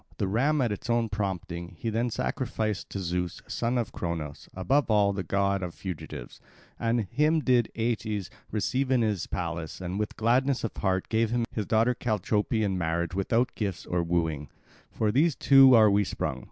The ram, at its own prompting, he then sacrificed to Zeus, son of Cronos, above all, the god of fugitives. And him did Aeetes receive in his palace, and with gladness of heart gave him his daughter Chalciope in marriage without gifts of wooing. From those two are we sprung.